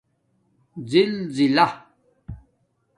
زَزِلا